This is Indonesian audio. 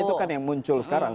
itu kan yang muncul sekarang